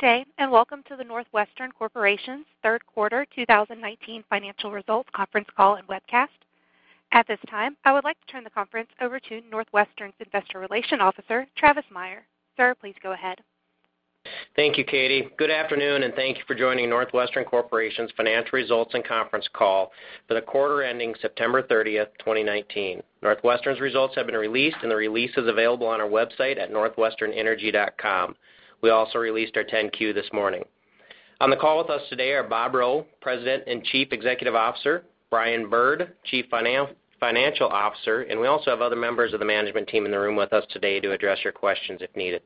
Good day, welcome to the NorthWestern Corporation's third quarter 2019 financial results conference call and webcast. At this time, I would like to turn the conference over to NorthWestern's Investor Relations Officer, Travis Meyer. Sir, please go ahead. Thank you, Katie. Good afternoon, and thank you for joining NorthWestern Corporation's financial results and conference call for the quarter ending September 30th, 2019. NorthWestern's results have been released, and the release is available on our website at northwesternenergy.com. We also released our 10-Q this morning. On the call with us today are Bob Rowe, President and Chief Executive Officer, Brian Bird, Chief Financial Officer, and we also have other members of the management team in the room with us today to address your questions if needed.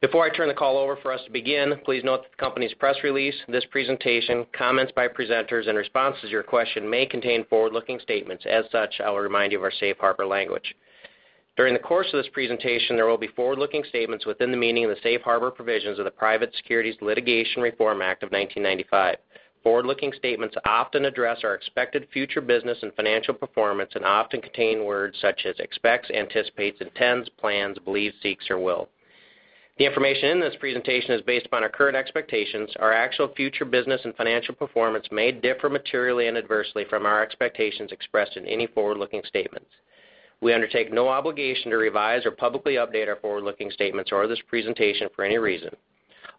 Before I turn the call over for us to begin, please note that the company's press release, this presentation, comments by presenters, and responses to your question may contain forward-looking statements. As such, I will remind you of our safe harbor language. During the course of this presentation, there will be forward-looking statements within the meaning of the safe harbor provisions of the Private Securities Litigation Reform Act of 1995. Forward-looking statements often address our expected future business and financial performance and often contain words such as expects, anticipates, intends, plans, believes, seeks, or will. The information in this presentation is based upon our current expectations. Our actual future business and financial performance may differ materially and adversely from our expectations expressed in any forward-looking statements. We undertake no obligation to revise or publicly update our forward-looking statements or this presentation for any reason.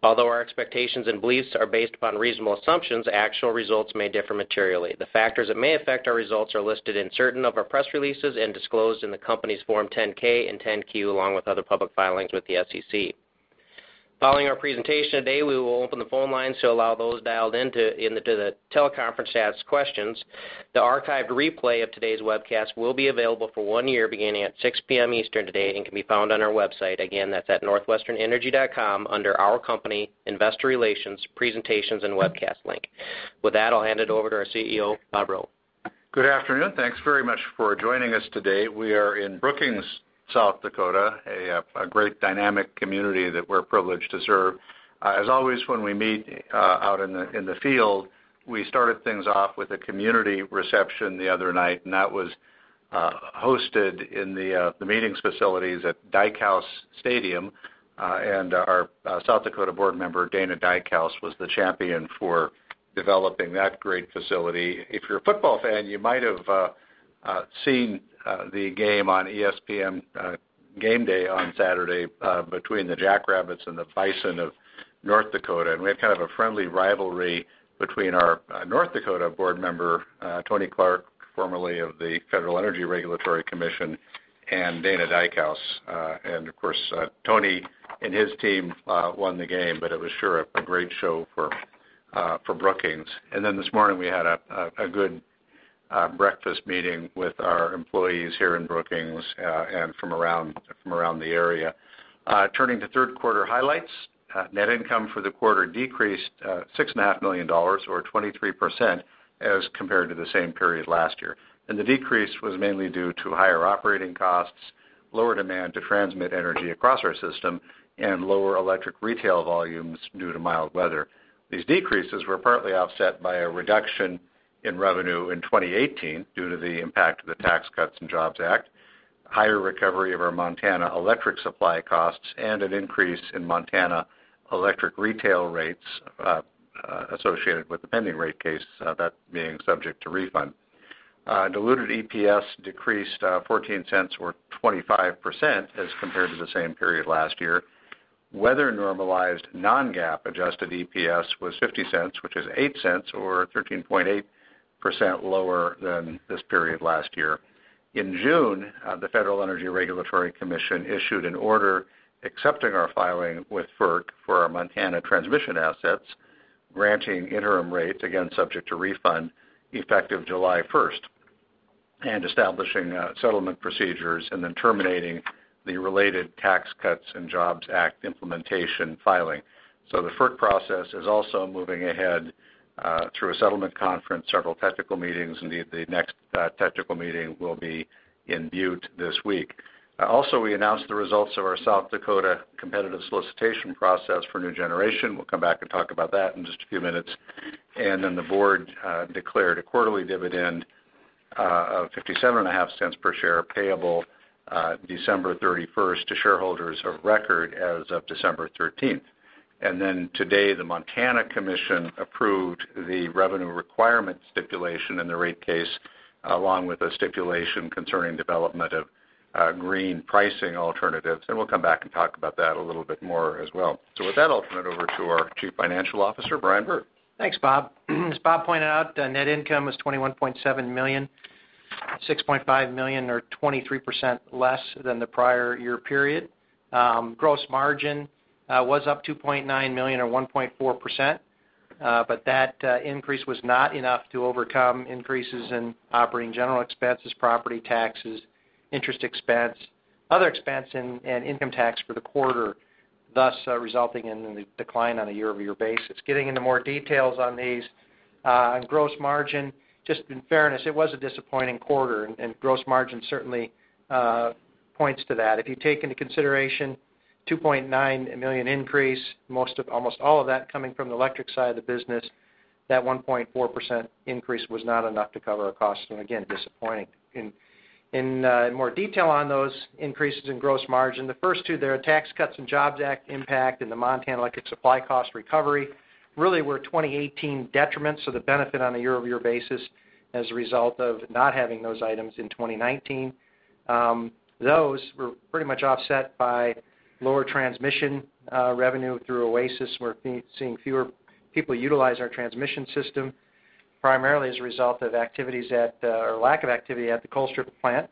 Although our expectations and beliefs are based upon reasonable assumptions, actual results may differ materially. The factors that may affect our results are listed in certain of our press releases and disclosed in the company's Form 10-K and 10-Q, along with other public filings with the SEC. Following our presentation today, we will open the phone lines to allow those dialed in to the teleconference to ask questions. The archived replay of today's webcast will be available for one year, beginning at 6:00 P.M. Eastern today and can be found on our website. Again, that's at northwesternenergy.com under Our Company, Investor Relations, Presentations and Webcast link. With that, I'll hand it over to our CEO, Bob Rowe. Good afternoon. Thanks very much for joining us today. We are in Brookings, South Dakota, a great dynamic community that we're privileged to serve. As always, when we meet out in the field, we started things off with a community reception the other night, and that was hosted in the meetings facilities at Dykhouse Stadium. Our South Dakota board member, Dana Dykhouse, was the champion for developing that great facility. If you're a football fan, you might have seen the game on ESPN GameDay on Saturday between the Jackrabbits and the Bison of North Dakota. We have kind of a friendly rivalry between our North Dakota board member, Tony Clark, formerly of the Federal Energy Regulatory Commission, and Dana Dykhouse. Of course, Tony and his team won the game, but it was sure a great show for Brookings. This morning, we had a good breakfast meeting with our employees here in Brookings, and from around the area. Turning to third quarter highlights. Net income for the quarter decreased $6.5 million, or 23%, as compared to the same period last year. The decrease was mainly due to higher operating costs, lower demand to transmit energy across our system, and lower electric retail volumes due to mild weather. These decreases were partly offset by a reduction in revenue in 2018 due to the impact of the Tax Cuts and Jobs Act, higher recovery of our Montana electric supply costs, and an increase in Montana electric retail rates associated with the pending rate case, that being subject to refund. Diluted EPS decreased $0.14 or 25% as compared to the same period last year. Weather-normalized non-GAAP adjusted EPS was $0.50, which is $0.08 or 13.8% lower than this period last year. In June, the Federal Energy Regulatory Commission issued an order accepting our filing with FERC for our Montana transmission assets, granting interim rates, again, subject to refund, effective July 1st, and establishing settlement procedures and then terminating the related Tax Cuts and Jobs Act implementation filing. The FERC process is also moving ahead through a settlement conference, several technical meetings, indeed, the next technical meeting will be in Butte this week. We announced the results of our South Dakota competitive solicitation process for new generation. We'll come back and talk about that in just a few minutes. The board declared a quarterly dividend of $0.575 per share, payable December 31st to shareholders of record as of December 13th. Today, the Montana Commission approved the revenue requirement stipulation in the rate case, along with a stipulation concerning development of green pricing alternatives. We'll come back and talk about that a little bit more as well. With that, I'll turn it over to our Chief Financial Officer, Brian Bird. Thanks, Bob. As Bob pointed out, net income was $21.7 million, $6.5 million or 23% less than the prior year period. That increase was not enough to overcome increases in Operating, General & Administrative expenses, property taxes, interest expense, other expense and income tax for the quarter, thus resulting in the decline on a year-over-year basis. Getting into more details on these. On gross margin, just in fairness, it was a disappointing quarter, and gross margin certainly points to that. If you take into consideration $2.9 million increase, almost all of that coming from the electric side of the business. That 1.4% increase was not enough to cover our costs, and again, disappointing. In more detail on those increases in gross margin, the first two there, Tax Cuts and Jobs Act impact and the Montana electric supply cost recovery, really were 2018 detriments. The benefit on a year-over-year basis as a result of not having those items in 2019. Those were pretty much offset by lower transmission revenue through OASIS. We're seeing fewer people utilize our transmission system, primarily as a result of activities at, or lack of activity at the Colstrip plant,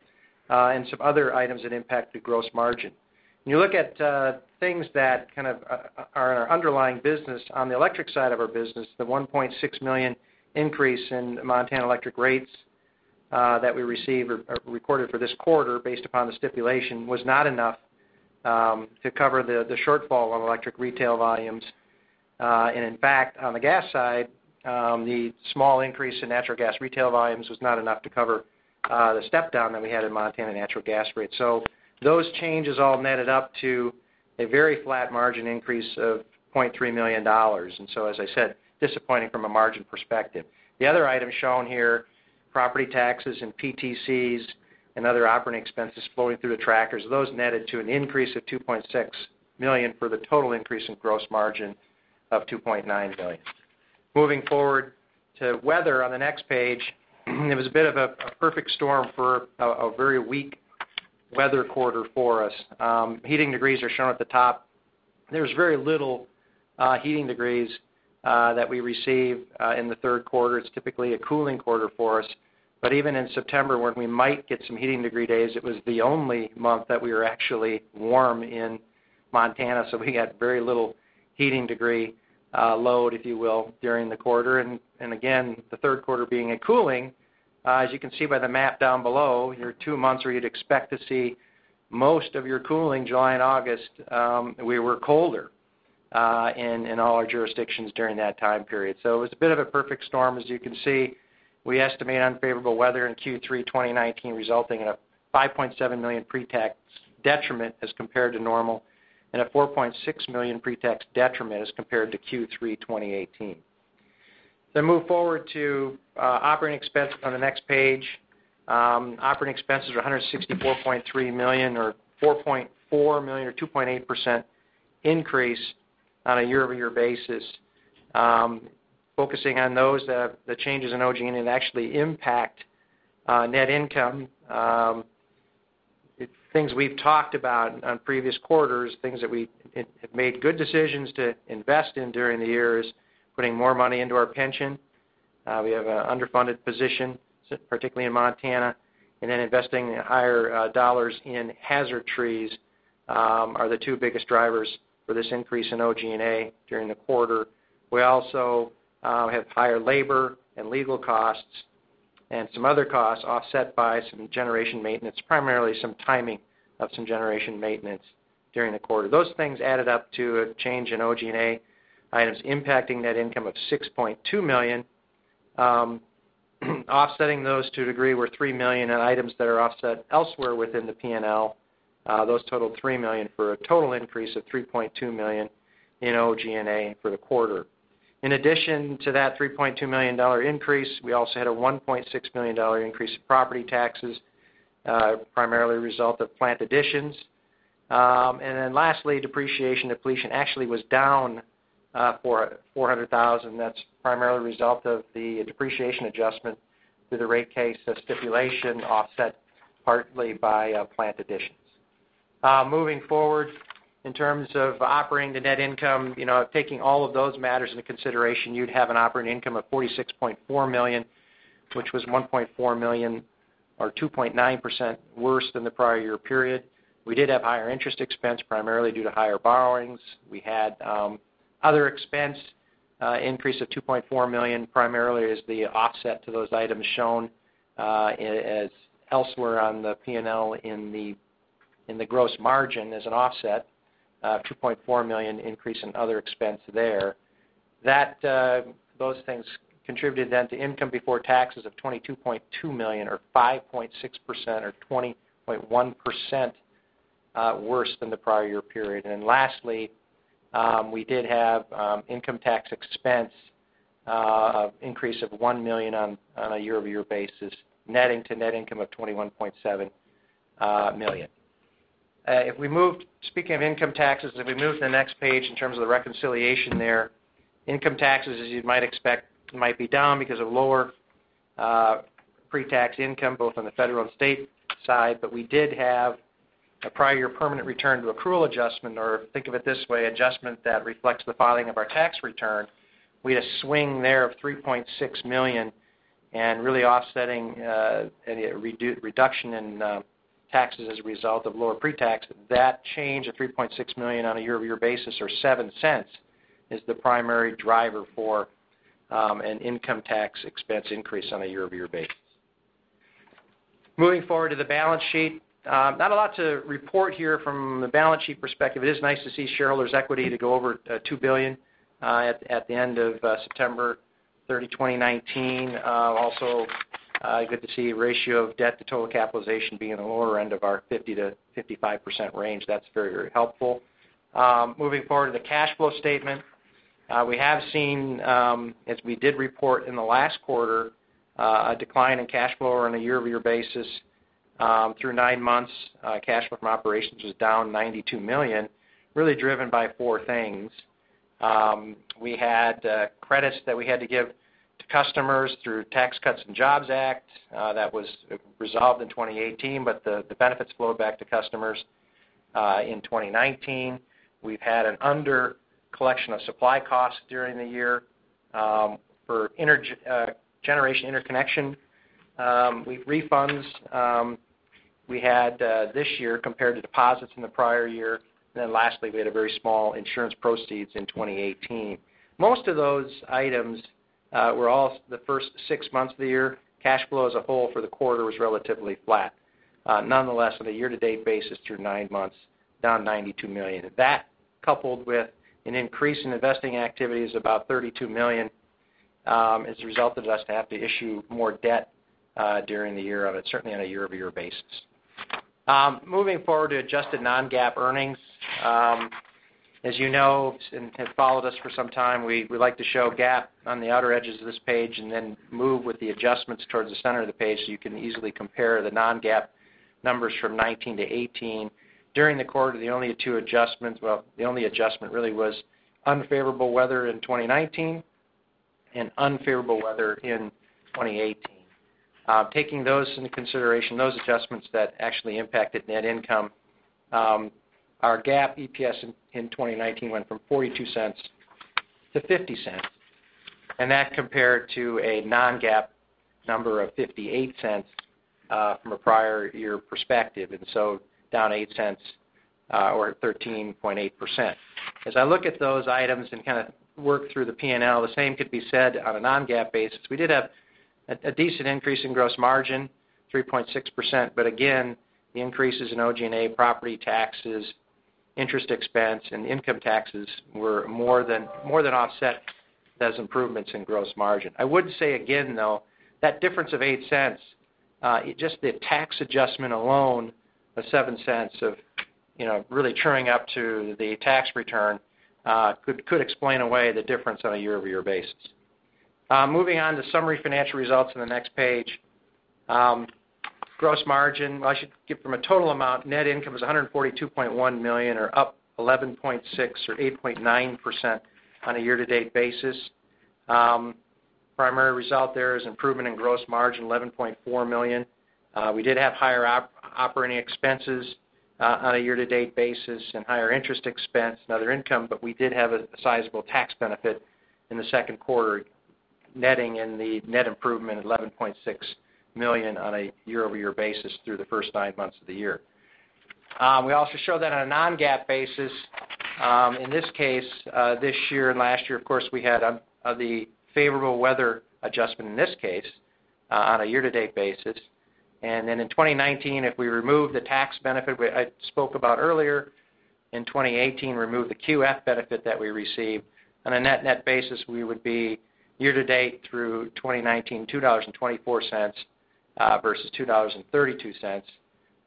and some other items that impact the gross margin. When you look at things that kind of are in our underlying business, on the electric side of our business, the $1.6 million increase in Montana electric rates, that we received or recorded for this quarter based upon the stipulation was not enough to cover the shortfall of electric retail volumes. On the gas side, the small increase in natural gas retail volumes was not enough to cover the step-down that we had in Montana natural gas rates. Those changes all netted up to a very flat margin increase of $0.3 million. As I said, disappointing from a margin perspective. The other items shown here, property taxes and PTCs and other operating expenses flowing through the trackers, netted to an increase of $2.6 million for the total increase in gross margin of $2.9 million. Moving forward to weather on the next page. It was a bit of a perfect storm for a very weak weather quarter for us. Heating degrees are shown at the top. There's very little heating degrees that we receive in the third quarter. It's typically a cooling quarter for us. Even in September when we might get some heating degree days, it was the only month that we were actually warm in Montana, so we had very little heating degree load, if you will, during the quarter. Again, the third quarter being a cooling, as you can see by the map down below, your two months where you'd expect to see most of your cooling, July and August, we were colder in all our jurisdictions during that time period. It was a bit of a perfect storm. As you can see, we estimate unfavorable weather in Q3 2019 resulting in a $5.7 million pretax detriment as compared to normal and a $4.6 million pretax detriment as compared to Q3 2018. Move forward to operating expenses on the next page. Operating expenses are $164.3 million or $4.4 million or 2.8% increase on a year-over-year basis. Focusing on those, the changes in OG&A that actually impact net income. Things we've talked about on previous quarters, things that we have made good decisions to invest in during the years, putting more money into our pension. We have an underfunded position, particularly in Montana, and then investing higher dollars in hazard trees, are the two biggest drivers for this increase in OG&A during the quarter. We also have higher labor and legal costs and some other costs offset by some generation maintenance, primarily some timing of some generation maintenance during the quarter. Those things added up to a change in OG&A items impacting net income of $6.2 million. Offsetting those to a degree were $3 million in items that are offset elsewhere within the P&L. Totaled $3 million for a total increase of $3.2 million in OG&A for the quarter. In addition to that $3.2 million increase, we also had a $1.6 million increase in property taxes, primarily a result of plant additions. Lastly, depreciation depletion actually was down for $400,000. That's primarily a result of the depreciation adjustment to the rate case, the stipulation offset partly by plant additions. Moving forward in terms of operating the net income. Taking all of those matters into consideration, you'd have an operating income of $46.4 million, which was $1.4 million or 2.9% worse than the prior year period. We did have higher interest expense, primarily due to higher borrowings. We had other expense increase of $2.4 million, primarily as the offset to those items shown as elsewhere on the P&L in the gross margin as an offset, $2.4 million increase in other expense there. Those things contributed to income before taxes of $22.2 million, or 5.6%, or 20.1% worse than the prior year period. Lastly, we did have income tax expense increase of $1 million on a year-over-year basis, netting to net income of $21.7 million. Speaking of income taxes, if we move to the next page in terms of the reconciliation there, income taxes, as you might expect, might be down because of lower pre-tax income, both on the federal and state side. We did have a prior year permanent return to accrual adjustment, or think of it this way, adjustment that reflects the filing of our tax return. We had a swing there of $3.6 million and really offsetting any reduction in taxes as a result of lower pre-tax. That change of $3.6 million on a year-over-year basis or $0.07 is the primary driver for an income tax expense increase on a year-over-year basis. Moving forward to the balance sheet. Not a lot to report here from the balance sheet perspective. It is nice to see shareholders' equity to go over $2 billion at the end of September 30, 2019. Good to see ratio of debt to total capitalization being in the lower end of our 50%-55% range. That's very helpful. Moving forward to the cash flow statement. We have seen, as we did report in the last quarter, a decline in cash flow on a year-over-year basis. Through nine months, cash from operations was down $92 million, really driven by four things. We had credits that we had to give to customers through Tax Cuts and Jobs Act that was resolved in 2018, but the benefits flowed back to customers in 2019. We've had an under collection of supply costs during the year for generation interconnection. Refunds we had this year compared to deposits in the prior year. Lastly, we had a very small insurance proceeds in 2018. Most of those items were all the first six months of the year. Cash flow as a whole for the quarter was relatively flat. Nonetheless, on a year-to-date basis, through nine months, down $92 million. That, coupled with an increase in investing activities, about $32 million, has resulted in us to have to issue more debt during the year on it, certainly on a year-over-year basis. Moving forward to adjusted non-GAAP earnings. As you know, and have followed us for some time, we like to show GAAP on the outer edges of this page and then move with the adjustments towards the center of the page so you can easily compare the non-GAAP numbers from 2019 to 2018. During the quarter, the only two adjustments, well, the only adjustment really was unfavorable weather in 2019 and unfavorable weather in 2018. Taking those into consideration, those adjustments that actually impacted net income, our GAAP EPS in 2019 went from $0.42 to $0.50. That compared to a non-GAAP number of $0.58 from a prior year perspective. Down $0.08 or 13.8%. As I look at those items and work through the P&L, the same could be said on a non-GAAP basis. We did have a decent increase in gross margin, 3.6%. Again, the increases in OG&A, property taxes, interest expense, and income taxes were more than offset as improvements in gross margin. I would say again, though, that difference of $0.08, just the tax adjustment alone of $0.07 of really truing up to the tax return could explain away the difference on a year-over-year basis. Moving on to summary financial results on the next page. Gross margin, I should give from a total amount, net income was $142.1 million or up 11.6% or 8.9% on a year-to-date basis. Primary result there is improvement in gross margin, $11.4 million. We did have higher operating expenses on a year-to-date basis and higher interest expense and other income, but we did have a sizable tax benefit in the second quarter, netting in the net improvement of $11.6 million on a year-over-year basis through the first nine months of the year. We also show that on a non-GAAP basis. In this case, this year and last year, of course, we had the favorable weather adjustment in this case on a year-to-date basis. In 2019, if we remove the tax benefit I spoke about earlier, in 2018, remove the QF benefit that we received, on a net basis, we would be year-to-date through 2019, $2.24 versus $2.32,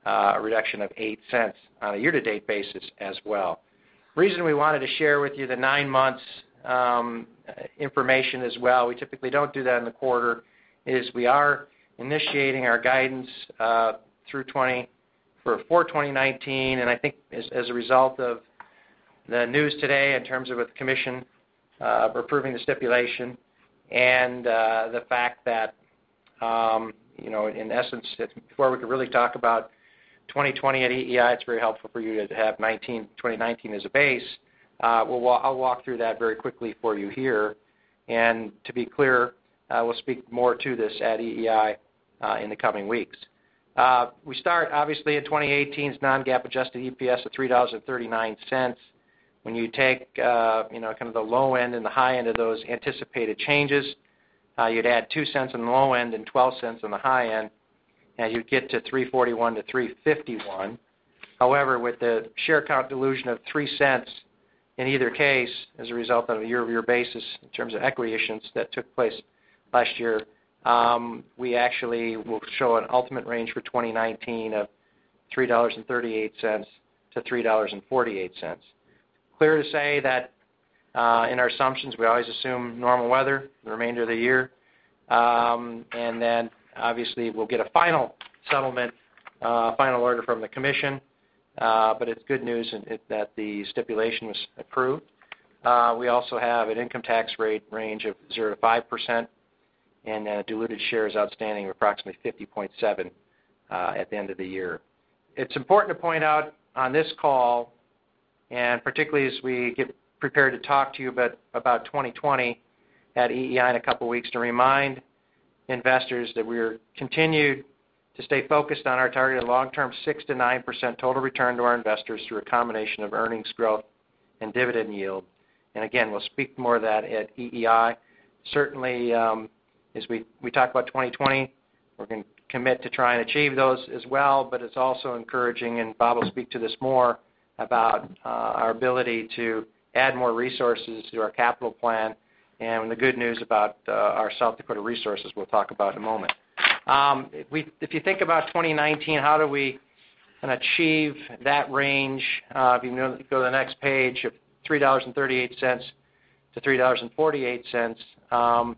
a reduction of $0.08 on a year-to-date basis as well. Reason we wanted to share with you the nine months information as well, we typically don't do that in the quarter, is we are initiating our guidance for 2019. I think as a result of the news today in terms of with the Commission approving the stipulation and the fact that in essence, before we could really talk about 2020 at EEI, it's very helpful for you to have 2019 as a base. I'll walk through that very quickly for you here. To be clear, I will speak more to this at EEI in the coming weeks. We start, obviously, at 2018's non-GAAP adjusted EPS of $3.39. When you take the low end and the high end of those anticipated changes, you'd add $0.02 on the low end and $0.12 on the high end, and you'd get to $3.41-$3.51. With the share count dilution of $0.03 in either case, as a result of a year-over-year basis in terms of equity issuance that took place last year, we actually will show an ultimate range for 2019 of $3.38-$3.48. Clear to say that in our assumptions, we always assume normal weather the remainder of the year. Obviously, we'll get a final settlement, final order from the commission, but it's good news that the stipulation was approved. We also have an income tax rate range of 0% to 5%, and diluted shares outstanding of approximately 50.7% at the end of the year. It's important to point out on this call, particularly as we get prepared to talk to you about 2020 at EEI in a couple of weeks, to remind investors that we're continued to stay focused on our targeted long-term 6% to 9% total return to our investors through a combination of earnings growth and dividend yield. Again, we'll speak more to that at EEI. As we talk about 2020, we're going to commit to try and achieve those as well, but it's also encouraging, and Bob will speak to this more, about our ability to add more resources to our capital plan and the good news about our South Dakota resources we'll talk about in a moment. You think about 2019, how do we achieve that range? You go to the next page, of $3.38-$3.48,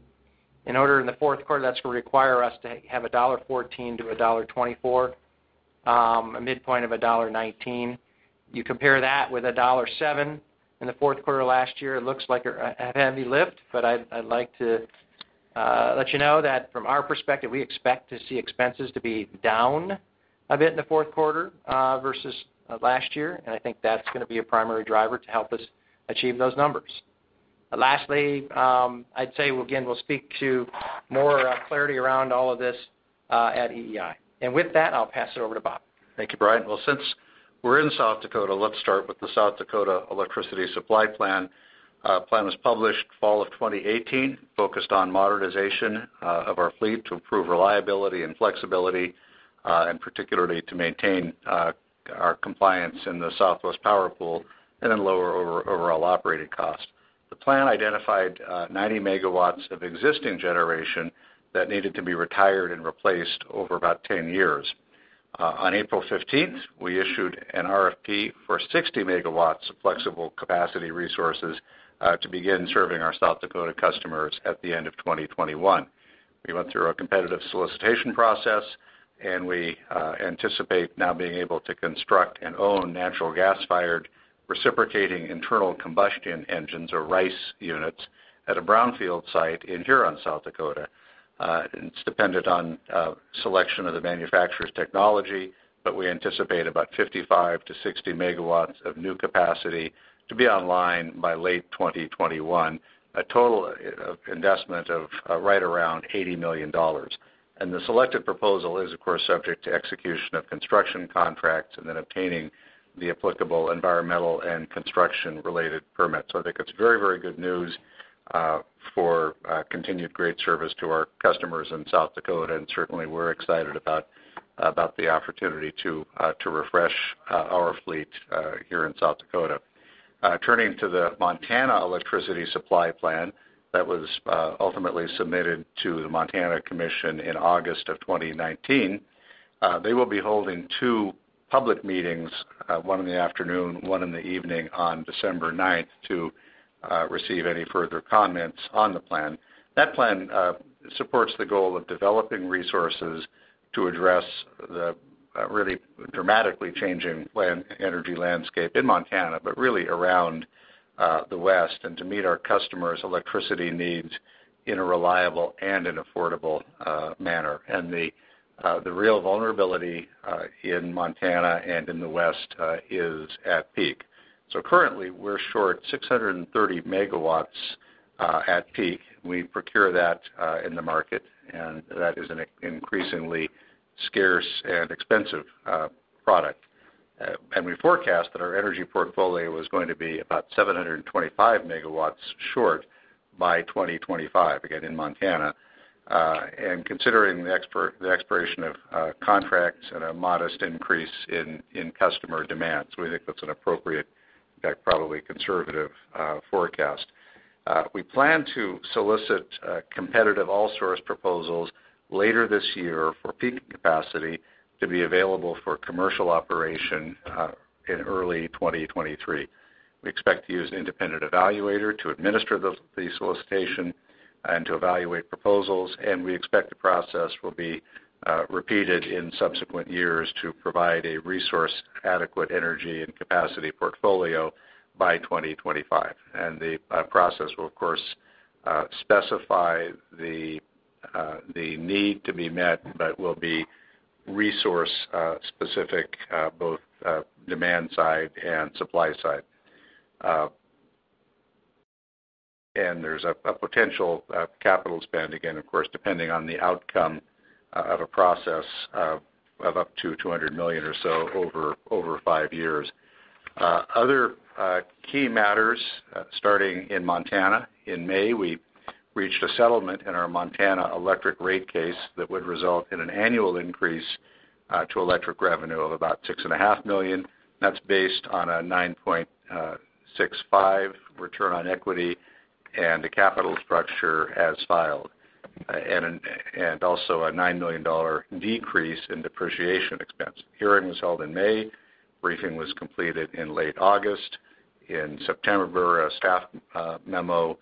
in order in the fourth quarter, that's going to require us to have $1.14-$1.24, a midpoint of $1.19. You compare that with $1.7 in the fourth quarter last year, it looks like a heavy lift, but I'd like to let you know that from our perspective, we expect to see expenses to be down a bit in the fourth quarter versus last year. I think that's going to be a primary driver to help us achieve those numbers. Lastly, I'd say again, we'll speak to more clarity around all of this at EEI. With that, I'll pass it over to Bob. Thank you, Brian. Well, since we're in South Dakota, let's start with the South Dakota Electricity Supply Plan. The plan was published fall of 2018, focused on modernization of our fleet to improve reliability and flexibility, and particularly to maintain our compliance in the Southwest Power Pool and in lower overall operating cost. The plan identified 90 MW of existing generation that needed to be retired and replaced over about 10 years. On April 15th, we issued an RFP for 60 MW of flexible capacity resources to begin serving our South Dakota customers at the end of 2021. We went through a competitive solicitation process, and we anticipate now being able to construct and own natural gas-fired reciprocating internal combustion engines, or RICE units, at a brownfield site in Huron, South Dakota. It's dependent on selection of the manufacturer's technology, but we anticipate about 55 megawatts-60 megawatts of new capacity to be online by late 2021, a total investment of right around $80 million. The selected proposal is, of course, subject to execution of construction contracts and then obtaining the applicable environmental and construction-related permits. I think it's very good news for continued great service to our customers in South Dakota. Certainly, we're excited about the opportunity to refresh our fleet here in South Dakota. Turning to the Montana Electricity Supply Plan that was ultimately submitted to the Montana Commission in August of 2019. They will be holding two public meetings, one in the afternoon, one in the evening, on December 9th to receive any further comments on the plan. That plan supports the goal of developing resources to address the really dramatically changing energy landscape in Montana, really around the West, and to meet our customers' electricity needs in a reliable and an affordable manner. The real vulnerability in Montana and in the West is at peak. Currently, we're short 630 megawatts at peak. We procure that in the market, that is an increasingly scarce and expensive product. We forecast that our energy portfolio is going to be about 725 megawatts short by 2025, again, in Montana. Considering the expiration of contracts and a modest increase in customer demands, we think that's an appropriate, in fact, probably conservative forecast. We plan to solicit competitive all-source proposals later this year for peaking capacity to be available for commercial operation in early 2023. We expect to use an independent evaluator to administer the solicitation and to evaluate proposals, and we expect the process will be repeated in subsequent years to provide a resource-adequate energy and capacity portfolio by 2025. The process will, of course, specify the need to be met but will be resource specific, both demand side and supply side. There's a potential capital spend, again, of course, depending on the outcome of a process of up to $200 million or so over five years. Other key matters, starting in Montana. In May, we reached a settlement in our Montana electric rate case that would result in an annual increase to electric revenue of about $six and a half million. That's based on a 9.65 return on equity and the capital structure as filed. Also a $9 million decrease in depreciation expense. Hearing was held in May, briefing was completed in late August. In September, a staff memo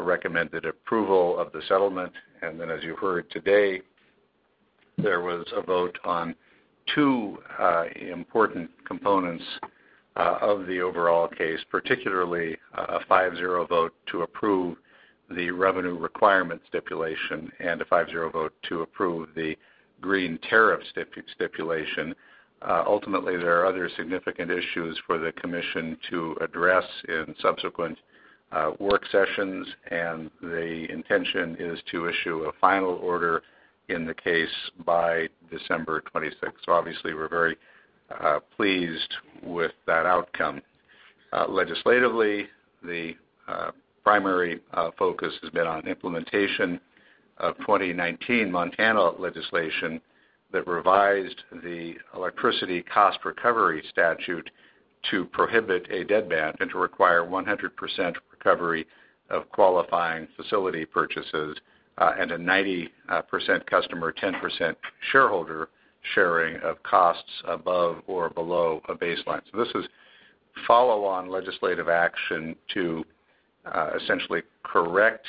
recommended approval of the settlement. As you heard today, there was a vote on two important components of the overall case, particularly a 5-0 vote to approve the revenue requirement stipulation and a 5-0 vote to approve the green tariff stipulation. Ultimately, there are other significant issues for the commission to address in subsequent work sessions, and the intention is to issue a final order in the case by December 26th. Obviously, we're very pleased with that outcome. Legislatively, the primary focus has been on implementation of 2019 Montana legislation that revised the electricity cost recovery statute to prohibit a deadband and to require 100% recovery of qualifying facility purchases, and a 90% customer, 10% shareholder sharing of costs above or below a baseline. This is follow-on legislative action to essentially correct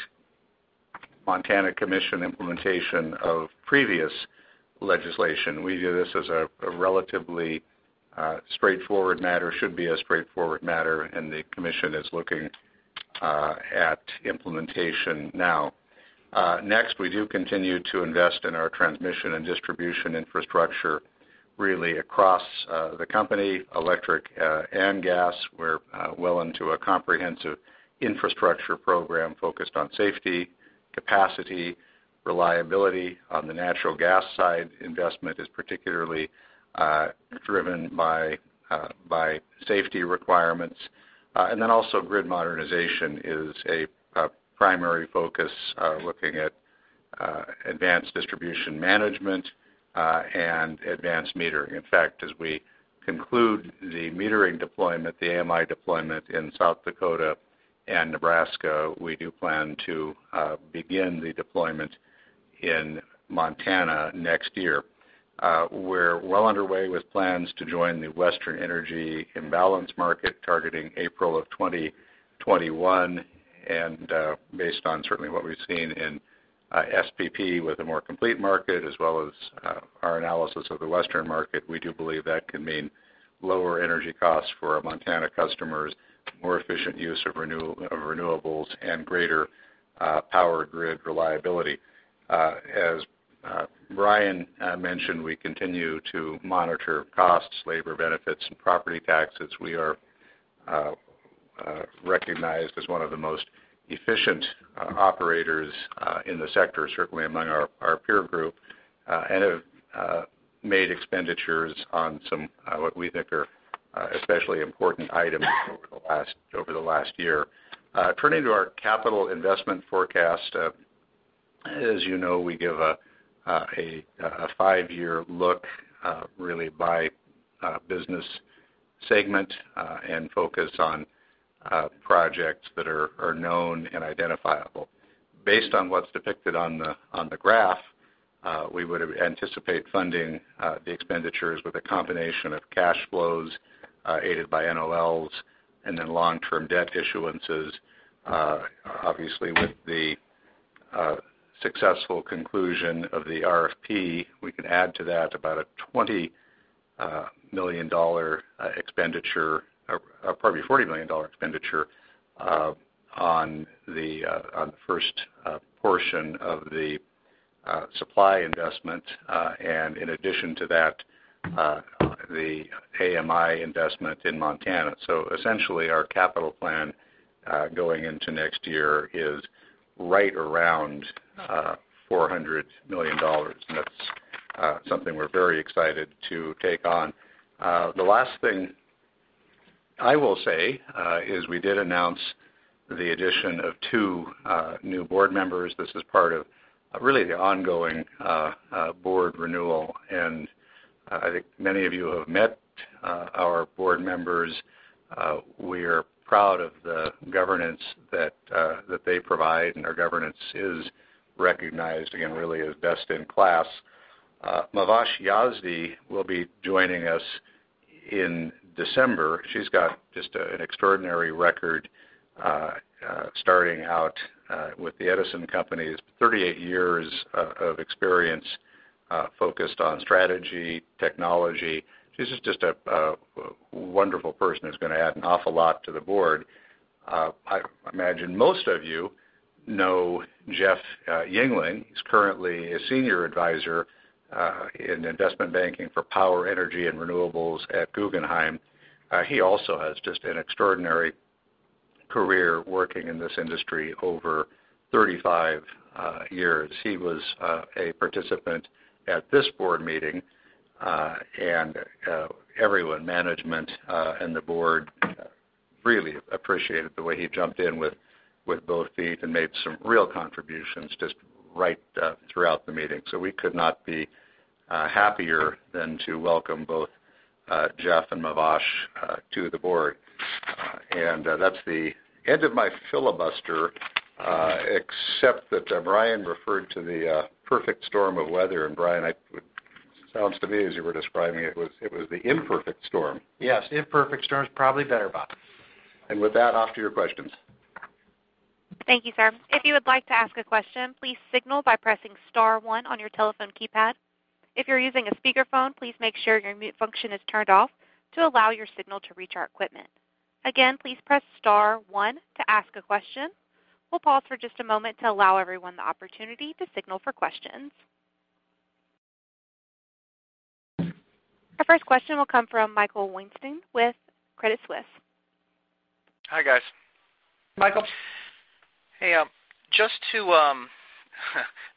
Montana Commission implementation of previous legislation. We view this as a relatively straightforward matter, should be a straightforward matter, and the commission is looking at implementation now. We do continue to invest in our transmission and distribution infrastructure really across the company, electric and gas. We're well into a comprehensive infrastructure program focused on safety, capacity, reliability. On the natural gas side, investment is particularly driven by safety requirements. Also grid modernization is a primary focus, looking at advanced distribution management, and advanced metering. In fact, as we conclude the metering deployment, the AMI deployment in South Dakota and Nebraska, we do plan to begin the deployment in Montana next year. We're well underway with plans to join the Western Energy Imbalance Market targeting April of 2021, and based on certainly what we've seen in SPP with a more complete market as well as our analysis of the Western market, we do believe that can mean lower energy costs for our Montana customers, more efficient use of renewables, and greater power grid reliability. As Brian mentioned, we continue to monitor costs, labor benefits, and property taxes. We are recognized as one of the most efficient operators in the sector, certainly among our peer group, and have made expenditures on some, what we think are especially important items over the last year. Turning to our capital investment forecast, as you know, we give a five-year look really by business segment, and focus on projects that are known and identifiable. Based on what's depicted on the graph, we would anticipate funding the expenditures with a combination of cash flows, aided by NOLs, then long-term debt issuances. Obviously, with the successful conclusion of the RFP, we can add to that about a $20 million expenditure, or pardon me, $40 million expenditure on the first portion of the supply investment. In addition to that, the AMI investment in Montana. Essentially, our capital plan going into next year is right around $400 million. That's something we're very excited to take on. The last thing I will say is we did announce the addition of two new board members. This is part of really the ongoing board renewal, and I think many of you have met our board members. We're proud of the governance that they provide, and our governance is recognized, again, really as best in class. Mahvash Yazdi will be joining us in December. She's got just an extraordinary record, starting out with the Edison companies, 38 years of experience focused on strategy, technology. She's just a wonderful person who's going to add an awful lot to the board. I imagine most of you know Jeff Yingling. He's currently a senior advisor in investment banking for Power, Energy & Renewables at Guggenheim. He also has just an extraordinary career working in this industry over 35 years. He was a participant at this board meeting, and everyone, management, and the board really appreciated the way he jumped in with both feet and made some real contributions just right throughout the meeting. We could not be happier than to welcome both Jeff and Mahvash to the board. That's the end of my filibuster, except that Brian referred to the perfect storm of weather. Brian, it sounds to me as you were describing it was the imperfect storm. Yes, imperfect storm is probably better, Bob. With that, off to your questions. Thank you, sir. If you would like to ask a question, please signal by pressing star one on your telephone keypad. If you're using a speakerphone, please make sure your mute function is turned off to allow your signal to reach our equipment. Again, please press star one to ask a question. We'll pause for just a moment to allow everyone the opportunity to signal for questions. Our first question will come from Michael Weinstein with Credit Suisse. Hi, guys. Michael. Hey. Just to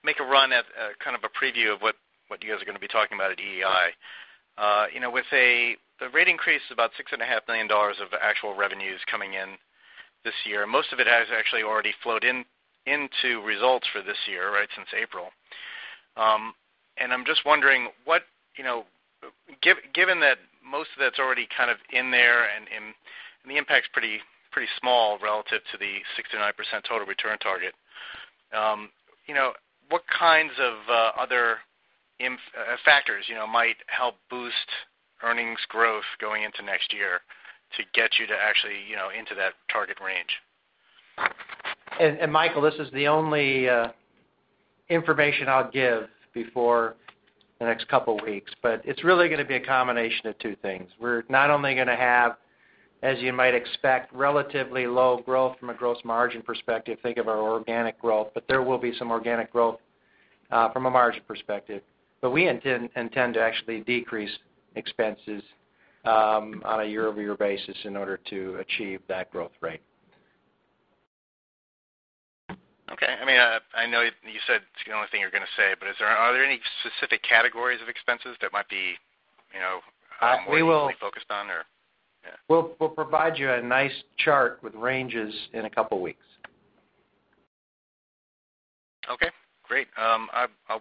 make a run at kind of a preview of what you guys are going to be talking about at EEI. With the rate increase of about $6.5 million of actual revenues coming in this year, most of it has actually already flowed into results for this year, since April. I'm just wondering, given that most of that's already kind of in there and the impact's pretty small relative to the 6%-9% total return target, what kinds of other factors might help boost earnings growth going into next year to get you to actually into that target range? Michael, this is the only information I'll give before the next couple of weeks, but it's really going to be a combination of two things. We're not only going to have, as you might expect, relatively low growth from a gross margin perspective, think of our organic growth, but there will be some organic growth, from a margin perspective. We intend to actually decrease expenses on a year-over-year basis in order to achieve that growth rate. Okay. I know you said it's the only thing you're going to say, but are there any specific categories of expenses that might be more easily focused on or? Yeah. We'll provide you a nice chart with ranges in a couple of weeks. Okay, great. I'll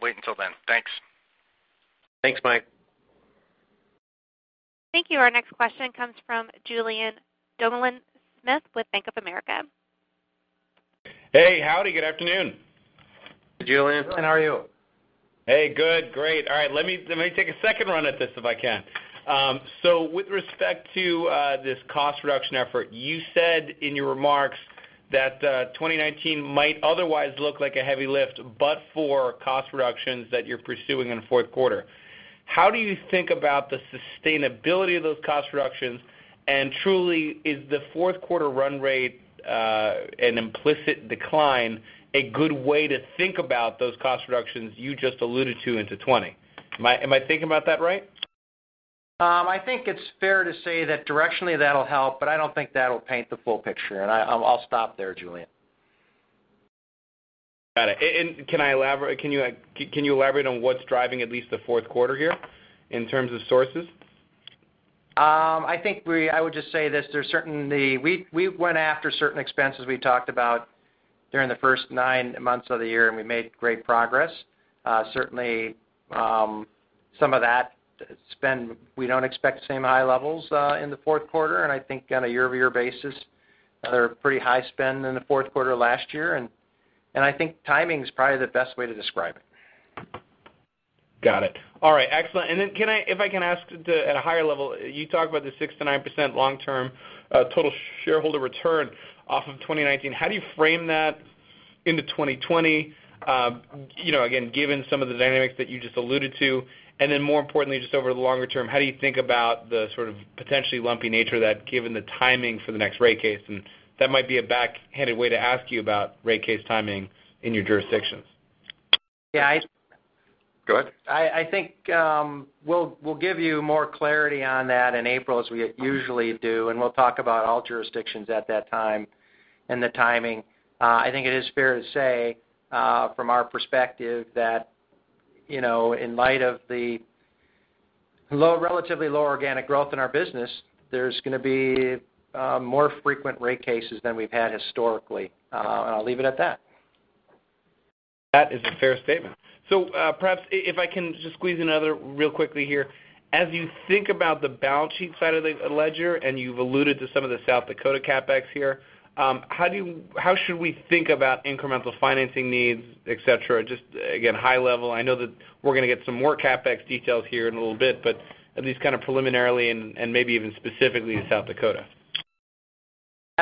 wait until then. Thanks. Thanks, Mike. Thank you. Our next question comes from Julien Dumoulin-Smith with Bank of America. Hey. Howdy, good afternoon. Julien, how are you? Hey, good, great. All right. Let me take a second run at this if I can. With respect to this cost reduction effort, you said in your remarks that 2019 might otherwise look like a heavy lift, but for cost reductions that you're pursuing in the fourth quarter. How do you think about the sustainability of those cost reductions? Truly, is the fourth quarter run rate, an implicit decline, a good way to think about those cost reductions you just alluded to into 2020? Am I thinking about that right? I think it's fair to say that directionally that'll help, but I don't think that'll paint the full picture. I'll stop there, Julien. Got it. Can you elaborate on what's driving at least the fourth quarter here in terms of sources? I think I would just say this, we went after certain expenses we talked about during the first nine months of the year, we made great progress. Certainly, some of that spend, we don't expect the same high levels in the fourth quarter. I think on a year-over-year basis, they're pretty high spend in the fourth quarter last year, I think timing is probably the best way to describe it. Got it. All right, excellent. Then if I can ask at a higher level, you talked about the 6%-9% long-term, total shareholder return off of 2019. How do you frame that into 2020? Again, given some of the dynamics that you just alluded to, and then more importantly, just over the longer term, how do you think about the sort of potentially lumpy nature of that given the timing for the next rate case? That might be a backhanded way to ask you about rate case timing in your jurisdictions. Yeah, I- Go ahead. I think, we'll give you more clarity on that in April, as we usually do, and we'll talk about all jurisdictions at that time and the timing. I think it is fair to say, from our perspective that, in light of the relatively lower organic growth in our business, there's going to be more frequent rate cases than we've had historically. I'll leave it at that. That is a fair statement. Perhaps if I can just squeeze another real quickly here. As you think about the balance sheet side of the ledger, and you've alluded to some of the South Dakota CapEx here, how should we think about incremental financing needs, et cetera? Just again, high level. I know that we're going to get some more CapEx details here in a little bit, but at least kind of preliminarily and maybe even specifically in South Dakota.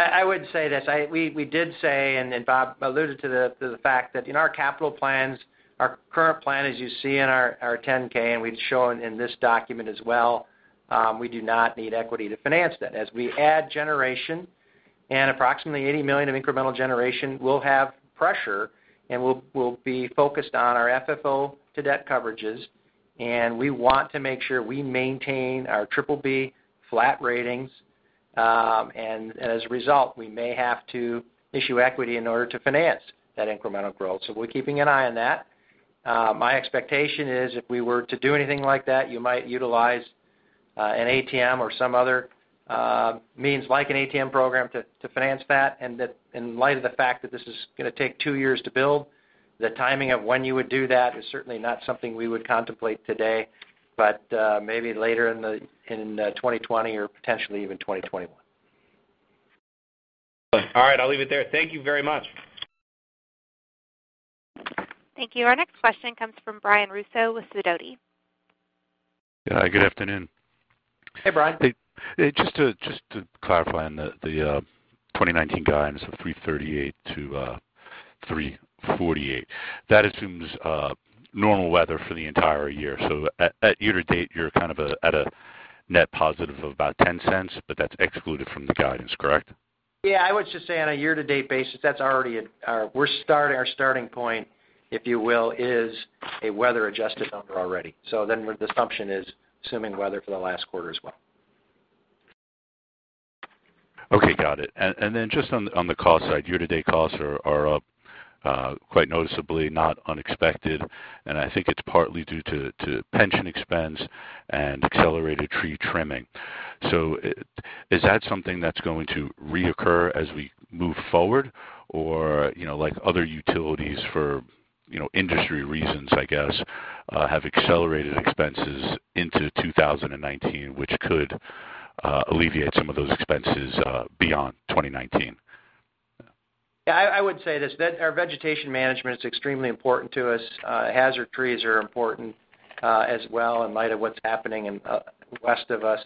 I would say this, we did say, and Bob alluded to the fact that in our capital plans, our current plan as you see in our 10-K, and we've shown in this document as well, we do not need equity to finance that. As we add generation, and approximately $80 million of incremental generation, we'll have pressure, and we'll be focused on our FFO to debt coverages, and we want to make sure we maintain our BBB flat ratings. As a result, we may have to issue equity in order to finance that incremental growth. We're keeping an eye on that. My expectation is if we were to do anything like that, you might utilize an ATM or some other means like an ATM program to finance that. That in light of the fact that this is going to take two years to build, the timing of when you would do that is certainly not something we would contemplate today. Maybe later in 2020 or potentially even 2021. All right. I'll leave it there. Thank you very much. Thank you. Our next question comes from Brian Russo with Sidoti. Yeah, good afternoon. Hey, Brian. Hey. Just to clarify on the 2019 guidance of 338 to 348. That assumes normal weather for the entire year. At year to date, you're kind of at a net positive of about $0.10, but that's excluded from the guidance, correct? I would just say on a year to date basis, our starting point, if you will, is a weather-adjusted number already. The assumption is assuming weather for the last quarter as well. Okay, got it. Just on the cost side, year-to-date costs are up quite noticeably not unexpected, and I think it's partly due to pension expense and accelerated tree trimming. Is that something that's going to recur as we move forward? Or like other utilities for industry reasons, I guess, have accelerated expenses into 2019, which could alleviate some of those expenses beyond 2019? Yeah. I would say this, our vegetation management is extremely important to us. Hazard trees are important as well in light of what's happening in west of us.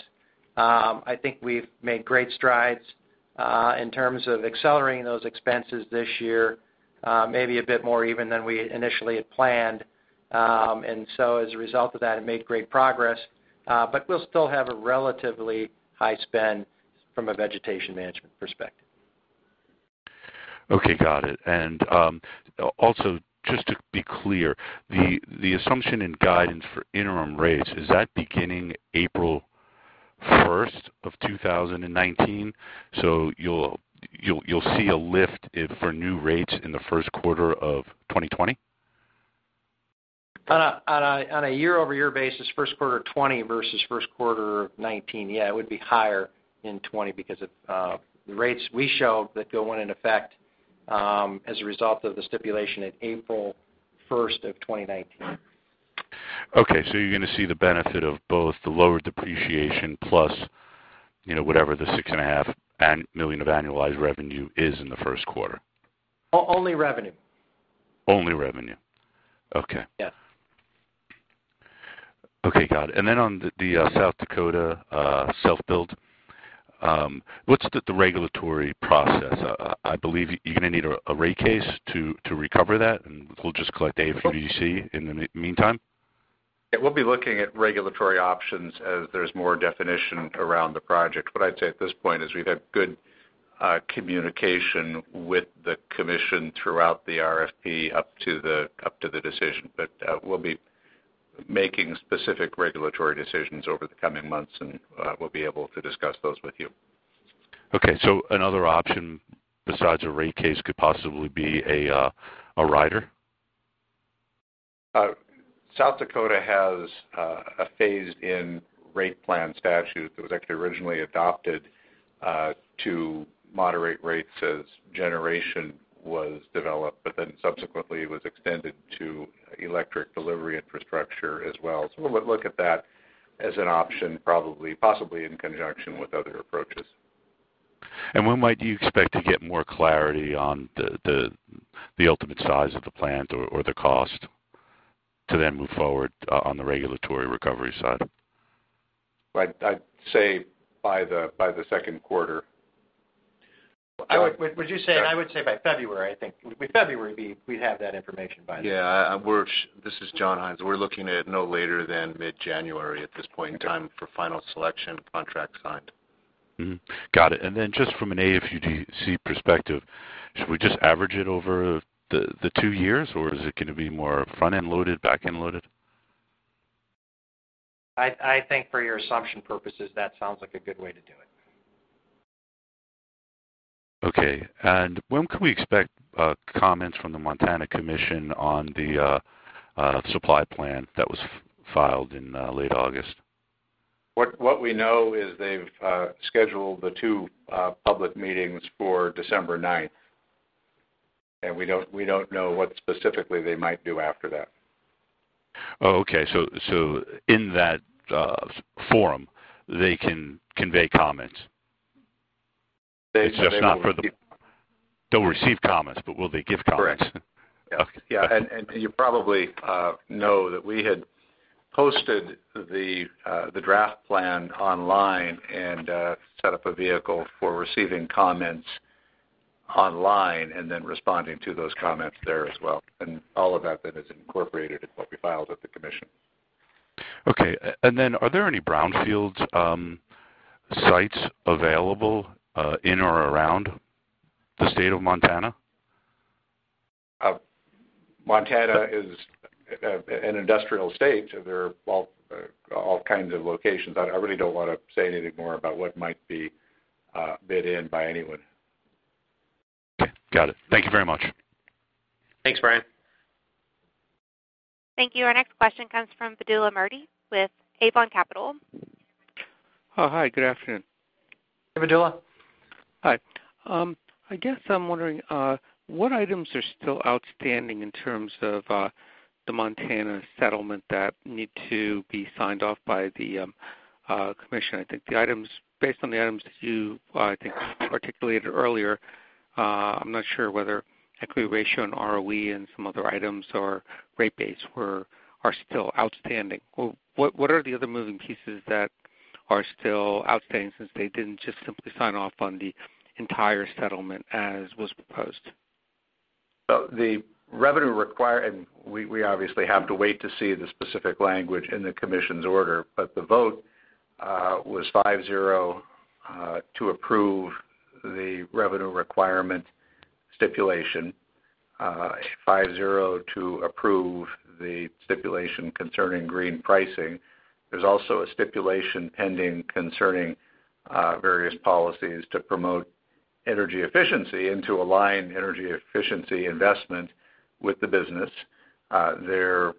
I think we've made great strides, in terms of accelerating those expenses this year, maybe a bit more even than we initially had planned. As a result of that, it made great progress. We'll still have a relatively high spend from a vegetation management perspective. Okay. Got it. Also just to be clear, the assumption in guidance for interim rates, is that beginning April 1st of 2019? You'll see a lift for new rates in the first quarter of 2020? On a year-over-year basis, first quarter 2020 versus first quarter of 2019, yeah, it would be higher in 2020 because of the rates we show that go in effect, as a result of the stipulation at April 1st of 2019. Okay. You're going to see the benefit of both the lower depreciation plus, whatever the six and a half million of annualized revenue is in the first quarter. Only revenue. Only revenue. Okay. Yeah. Okay. Got it. Then on the South Dakota self-build, what's the regulatory process? I believe you're going to need a rate case to recover that, and we'll just collect AFUDC in the meantime? Yeah. We'll be looking at regulatory options as there's more definition around the project. What I'd say at this point is we've had good communication with the commission throughout the RFP up to the decision. We'll be making specific regulatory decisions over the coming months, and we'll be able to discuss those with you. Okay. Another option besides a rate case could possibly be a rider? South Dakota has a phased-in rate plan statute that was actually originally adopted to moderate rates as generation was developed, but then subsequently was extended to electric delivery infrastructure as well. We would look at that as an option, possibly in conjunction with other approaches. When might you expect to get more clarity on the ultimate size of the plant or the cost to then move forward on the regulatory recovery side? I'd say by the second quarter. Would you say, and I would say by February, I think. February, we'd have that information by then. Yeah. This is John Hines. We're looking at no later than mid-January at this point in time for final selection contract signed. Got it. Then just from an AFUDC perspective, should we just average it over the two years, or is it going to be more front-end loaded, back-end loaded? I think for your assumption purposes, that sounds like a good way to do it. Okay. When can we expect comments from the Montana Commission on the supply plan that was filed in late August? What we know is they've scheduled the two public meetings for December 9th. We don't know what specifically they might do after that. Oh, okay. In that forum, they can convey comments. They will receive- They'll receive comments, but will they give comments? Correct. Okay. Yeah. You probably know that we had posted the draft plan online and set up a vehicle for receiving comments online and then responding to those comments there as well. All of that then is incorporated in what we filed with the Commission. Okay. Then are there any brownfield sites available in or around the state of Montana? Montana is an industrial state, so there are all kinds of locations. I really don't want to say anything more about what might be bid in by anyone. Okay. Got it. Thank you very much. Thanks, Brian. Thank you. Our next question comes from Vidula Murti with Avon Capital. Oh, hi. Good afternoon. Hey, Vidula. Hi. I guess I'm wondering, what items are still outstanding in terms of the Montana settlement that need to be signed off by the commission? I think based on the items that you, I think, articulated earlier, I'm not sure whether equity ratio and ROE and some other items or rate base are still outstanding. What are the other moving pieces that are still outstanding, since they didn't just simply sign off on the entire settlement as was proposed? The revenue require, and we obviously have to wait to see the specific language in the Commission's order, but the vote was 5-0 to approve the revenue requirement stipulation, 5-0 to approve the stipulation concerning green pricing. There's also a stipulation pending concerning various policies to promote energy efficiency and to align energy efficiency investment with the business. There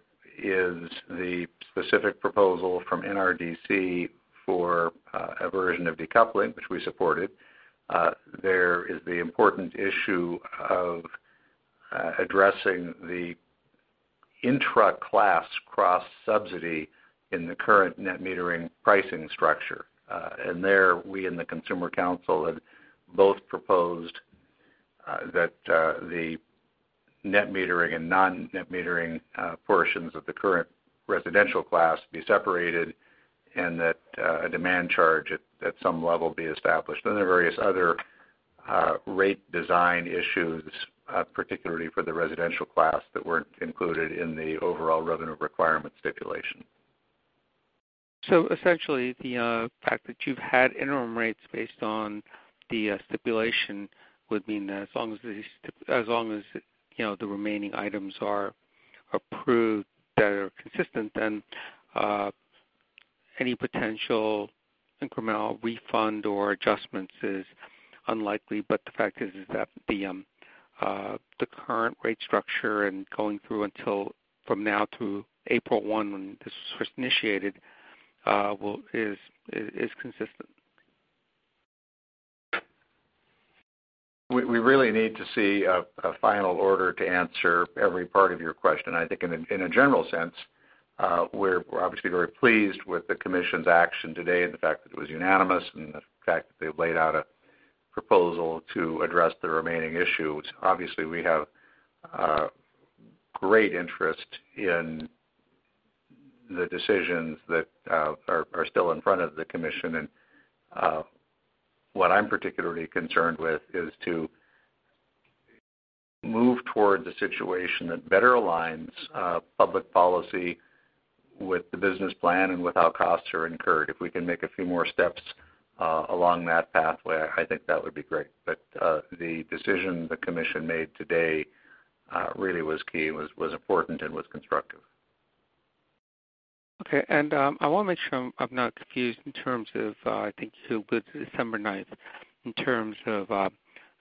is the specific proposal from NRDC for a version of decoupling, which we supported. There is the important issue of addressing the intra-class cross-subsidy in the current net metering pricing structure. There, we and the Consumer Counsel have both proposed that the net metering and non-net metering portions of the current residential class be separated and that a demand charge at some level be established. There are various other rate design issues, particularly for the residential class, that weren't included in the overall revenue requirement stipulation. Essentially, the fact that you've had interim rates based on the stipulation would mean that as long as the remaining items are approved that are consistent, then any potential incremental refund or adjustments is unlikely. The fact is that the current rate structure and going through until from now to April 1, when this was first initiated, is consistent. We really need to see a final order to answer every part of your question. I think in a general sense, we're obviously very pleased with the commission's action today and the fact that it was unanimous and the fact that they've laid out a proposal to address the remaining issues. Obviously, we have great interest in the decisions that are still in front of the commission. what I'm particularly concerned with is to move towards a situation that better aligns public policy with the business plan and with how costs are incurred. If we can make a few more steps along that pathway, I think that would be great. the decision the commission made today really was key, was important, and was constructive. Okay. I want to make sure I'm not confused in terms of, I think, too, with December 9th, in terms of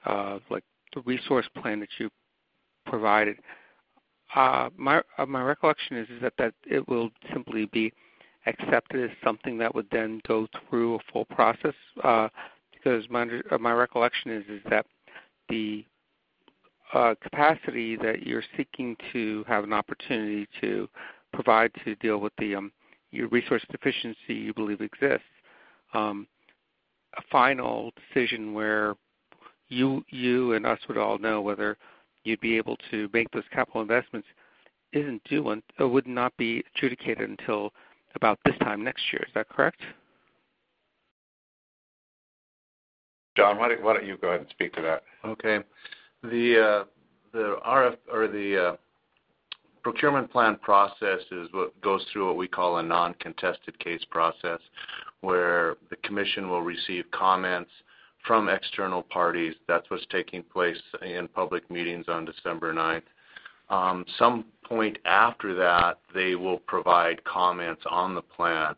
the resource plan that you provided. My recollection is that it will simply be accepted as something that would then go through a full process. My recollection is that the capacity that you're seeking to have an opportunity to provide, to deal with your resource deficiency you believe exists, a final decision where you and us would all know whether you'd be able to make those capital investments would not be adjudicated until about this time next year. Is that correct? John, why don't you go ahead and speak to that? Okay. The procurement plan process is what goes through what we call a non-contested case process, where the commission will receive comments from external parties. That's what's taking place in public meetings on December 9th. Some point after that, they will provide comments on the plan.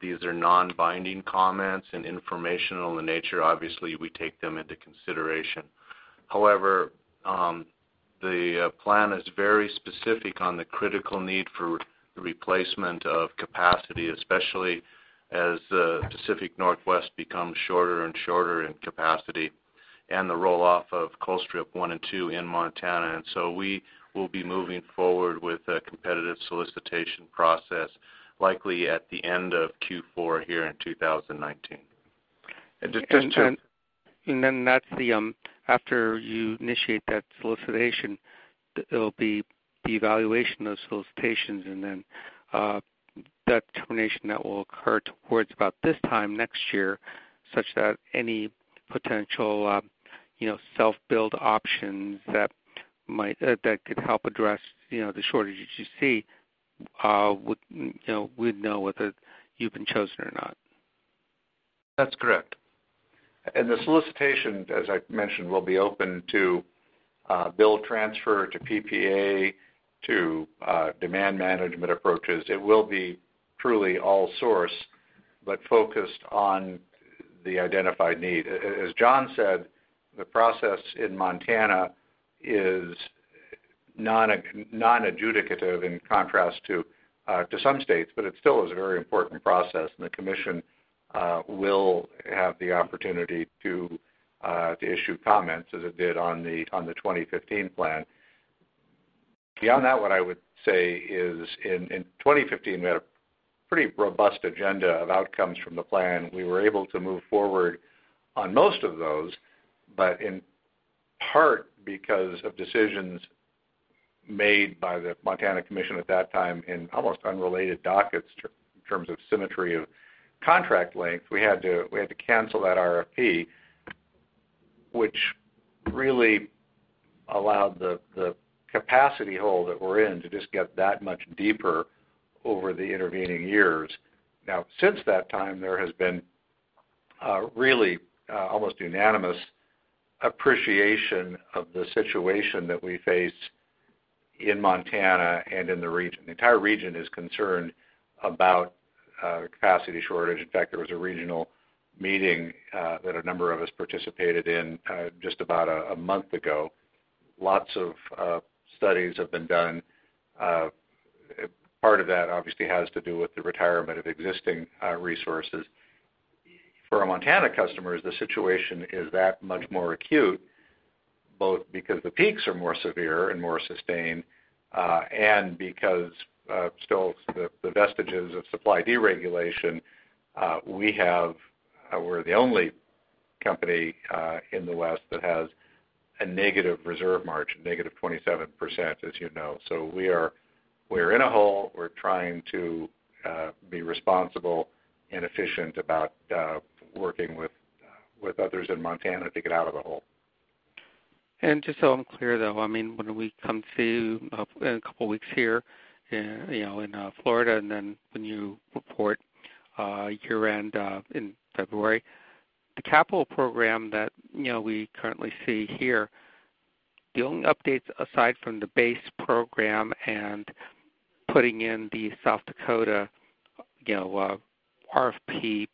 These are non-binding comments and informational in nature. Obviously, we take them into consideration. However, the plan is very specific on the critical need for replacement of capacity, especially as the Pacific Northwest becomes shorter and shorter in capacity and the roll-off of Colstrip 1 and 2 in Montana. We will be moving forward with a competitive solicitation process, likely at the end of Q4 here in 2019. After you initiate that solicitation, it'll be the evaluation of solicitations, and then that determination that will occur towards about this time next year, such that any potential self-build options that could help address the shortages you see, we'd know whether you've been chosen or not. That's correct. The solicitation, as I mentioned, will be open to build transfer to PPA, to demand management approaches. It will be truly all-source, focused on the identified need. As John said, the process in Montana is non-adjudicative in contrast to some states, but it still is a very important process, and the Commission will have the opportunity to issue comments as it did on the 2015 plan. Beyond that, what I would say is, in 2015, we had a pretty robust agenda of outcomes from the plan. We were able to move forward on most of those. In part because of decisions made by the Montana Commission at that time in almost unrelated dockets in terms of symmetry of contract length, we had to cancel that RFP, which really allowed the capacity hole that we're in to just get that much deeper over the intervening years. Since that time, there has been really almost unanimous appreciation of the situation that we face in Montana and in the region. The entire region is concerned about capacity shortage. In fact, there was a regional meeting that a number of us participated in just about a month ago. Lots of studies have been done. Part of that obviously has to do with the retirement of existing resources. For our Montana customers, the situation is that much more acute, both because the peaks are more severe and more sustained, and because of still the vestiges of supply deregulation, we're the only company in the West that has a negative reserve margin, negative 27%, as you know. We're in a hole. We're trying to be responsible and efficient about working with others in Montana to get out of the hole. Just so I'm clear, though, when we come to, in a couple of weeks here, in Florida, and then when you report year-end in February, the capital program that we currently see here, the only updates aside from the base program and putting in the South Dakota RFP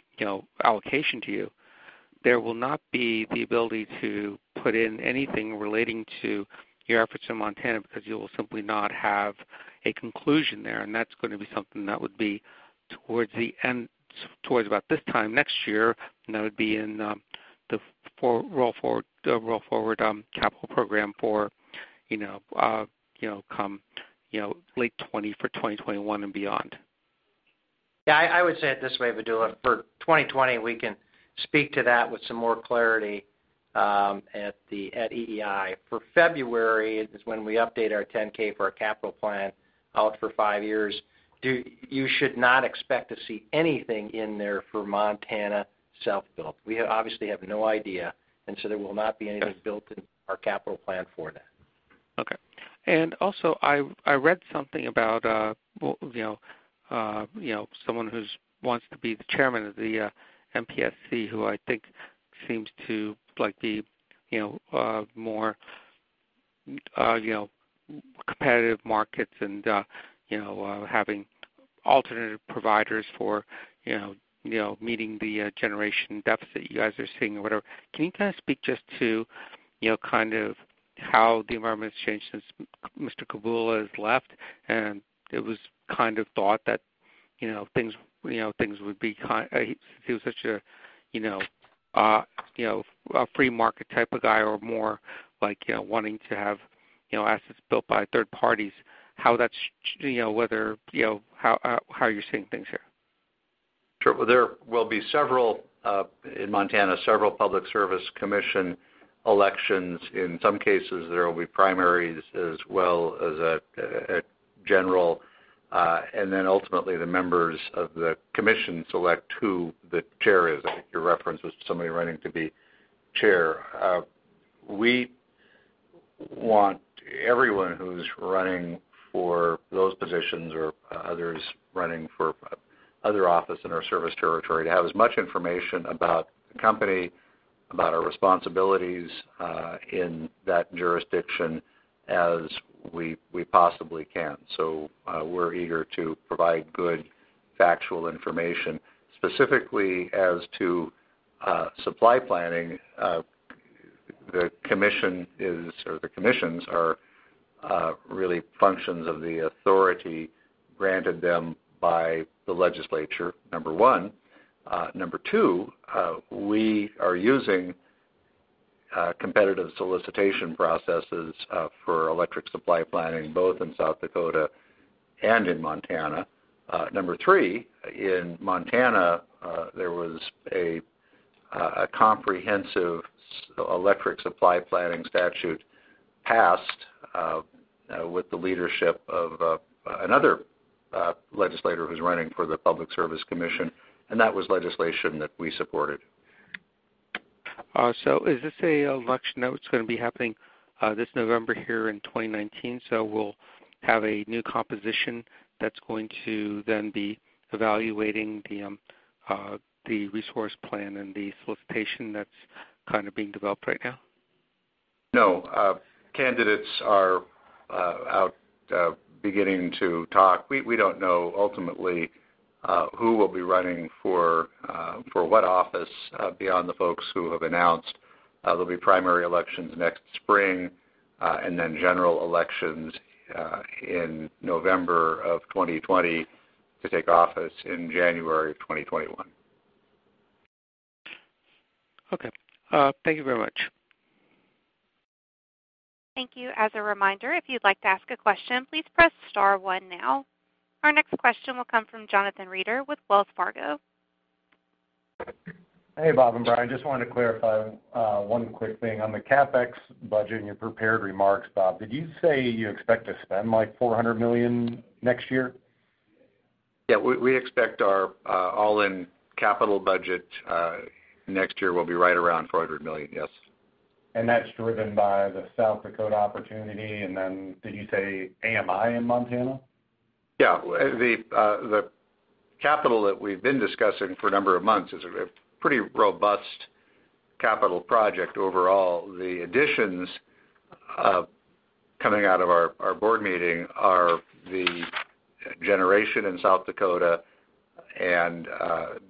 allocation to you, there will not be the ability to put in anything relating to your efforts in Montana because you'll simply not have a conclusion there, and that's going to be something that would be towards about this time next year, and that would be in the roll-forward capital program for come late 2020 for 2021 and beyond. I would say it this way, Vidula. For 2020, we can speak to that with some more clarity at EEI. For February is when we update our 10-K for our capital plan out for five years. You should not expect to see anything in there for Montana self-build. We obviously have no idea, and so there will not be anything built in our capital plan for that. Okay. Also, I read something about someone who wants to be the chairman of the MPSC, who I think seems to be more competitive markets and having alternative providers for meeting the generation deficit you guys are seeing or whatever. Can you kind of speak just to how the environment has changed since Mr. Koopman has left, and it was kind of thought that he was such a free market type of guy or more wanting to have assets built by third parties, how are you seeing things here? Sure. There will be, in Montana, several Public Service Commission elections. In some cases, there will be primaries as well as a general, then ultimately, the members of the commission select who the chair is. I think your reference was to somebody running to be chair. We want everyone who's running for those positions or others running for other office in our service territory to have as much information about the company, about our responsibilities in that jurisdiction as we possibly can. We're eager to provide good factual information. Specifically as to supply planning, the commission is, or the commissions are really functions of the authority granted them by the legislature, number one. Number two, we are using competitive solicitation processes for electric supply planning, both in South Dakota and in Montana. Number three, in Montana, there was a comprehensive electric supply planning statute passed with the leadership of another legislator who's running for the Public Service Commission. That was legislation that we supported. Is this a election that's going to be happening this November here in 2019, so we'll have a new composition that's going to then be evaluating the resource plan and the solicitation that's kind of being developed right now? No. Candidates are out beginning to talk. We don't know ultimately who will be running for what office beyond the folks who have announced. There'll be primary elections next spring, and then general elections in November of 2020 to take office in January of 2021. Okay. Thank you very much. Thank you. As a reminder, if you'd like to ask a question, please press star one now. Our next question will come from Jonathan Reeder with Wells Fargo. Hey, Bob and Brian. Just wanted to clarify one quick thing. On the CapEx budget in your prepared remarks, Bob, did you say you expect to spend like $400 million next year? Yeah, we expect our all-in capital budget next year will be right around $400 million, yes. That's driven by the South Dakota opportunity, and then did you say AMI in Montana? Yeah. The capital that we've been discussing for a number of months is a pretty robust capital project overall, the additions, coming out of our board meeting are the generation in South Dakota and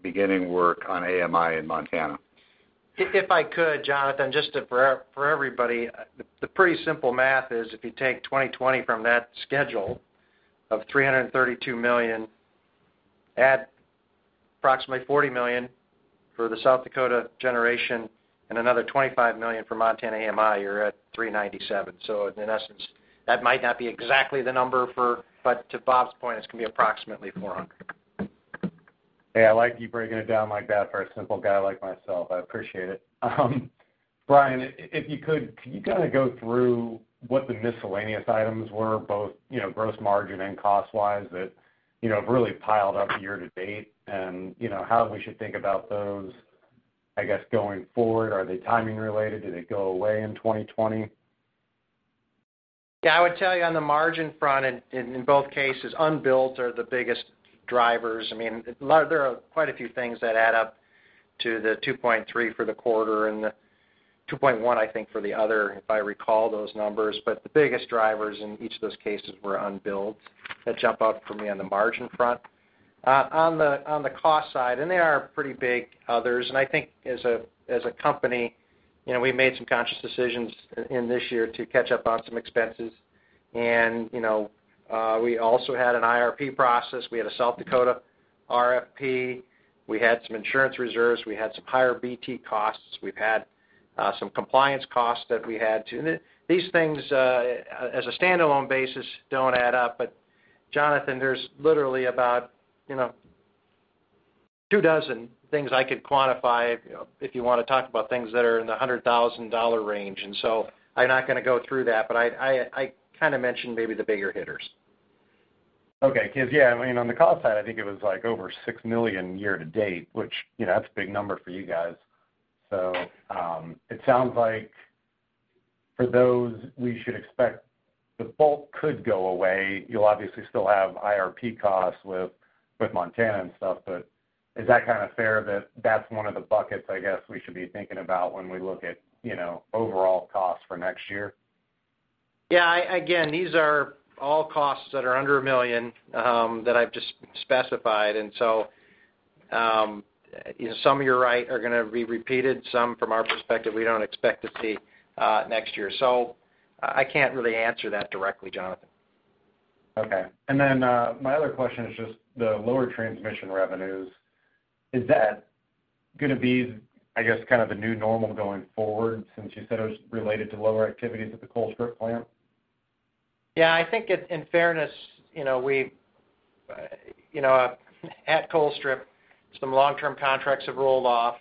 beginning work on AMI in Montana. If I could, Jonathan, just for everybody, the pretty simple math is if you take 2020 from that schedule of $332 million, add approximately $40 million for the South Dakota generation and another $25 million for Montana AMI, you're at $397. In essence, that might not be exactly the number. But to Bob's point, it's going to be approximately $400. Hey, I like you breaking it down like that for a simple guy like myself. I appreciate it. Brian, if you could, can you kind of go through what the miscellaneous items were, both gross margin and cost-wise that have really piled up year-to-date and how we should think about those, I guess, going forward? Are they timing related? Do they go away in 2020? Yeah, I would tell you on the margin front, in both cases, unbilled are the biggest drivers. There are quite a few things that add up to the $2.3 for the quarter and the $2.1, I think, for the other, if I recall those numbers. The biggest drivers in each of those cases were unbilled. That jump out for me on the margin front. On the cost side, and they are pretty big others, and I think as a company, we made some conscious decisions in this year to catch up on some expenses. We also had an IRP process. We had a South Dakota RFP. We had some insurance reserves. We had some higher BTU costs. We've had some compliance costs that we had to. These things, as a standalone basis, don't add up. Jonathan, there's literally about two dozen things I could quantify, if you want to talk about things that are in the $100,000 range, and so I'm not going to go through that, but I kind of mentioned maybe the bigger hitters. Because yeah, on the cost side, I think it was like over $6 million year to date, which, that's a big number for you guys. It sounds like for those we should expect the bulk could go away. You'll obviously still have IRP costs with Montana and stuff, but is that kind of fair that that's one of the buckets, I guess, we should be thinking about when we look at overall costs for next year? Yeah. Again, these are all costs that are under $1 million, that I've just specified. Some of you are right, are going to be repeated. Some, from our perspective, we don't expect to see next year. I can't really answer that directly, Jonathan. Okay. My other question is just the lower transmission revenues. Is that going to be, I guess, kind of the new normal going forward since you said it was related to lower activities at the Colstrip plant? Yeah, I think in fairness, at Colstrip, some long-term contracts have rolled off,